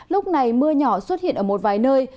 lúc này mưa nhỏ xuất hiện ở một vài nơi